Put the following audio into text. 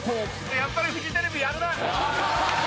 やっぱりフジテレビやるな。